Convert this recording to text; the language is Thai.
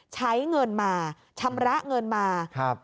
ใช้เงินมาชำระเงินมาครับ